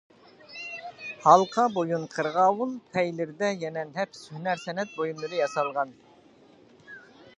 ھالقا بويۇن قىرغاۋۇل پەيلىرىدە يەنە نەپىس ھۈنەر-سەنئەت بۇيۇملىرى ياسالغان.